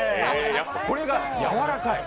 これがやわらかい？